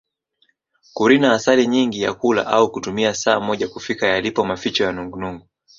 Kurina asali nyingi ya kula au kutumia saa moja kufika yalipo maficho ya nungunungu